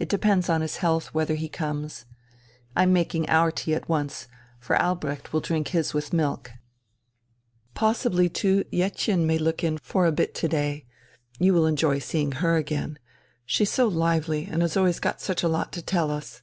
It depends on his health whether he comes. I'm making our tea at once, for Albrecht will drink his milk.... Possibly too Jettchen may look in for a bit to day. You will enjoy seeing her again. She's so lively, and has always got such a lot to tell us."